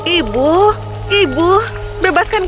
ibu ibu bebaskan kami